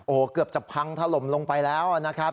โอ้โหเกือบจะพังถล่มลงไปแล้วนะครับ